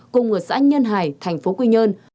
cùng người xã nhân hải tp quy nhơn